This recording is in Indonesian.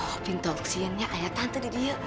opi toksiknya ayah tante di dia